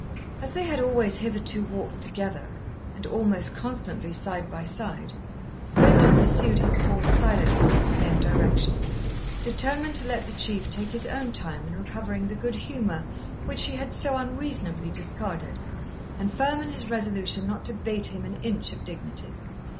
As they had always hitherto walked together, and almost constantly side by side, Waverley pursued his course silently in the same direction, determined to let the Chief take his own time in recovering the good humour which he had so unreasonably discarded, and firm in his resolution not to bate him an inch of dignity.